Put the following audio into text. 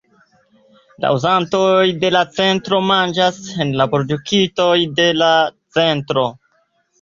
La uzantoj de la centro manĝas el la produktoj de la centro.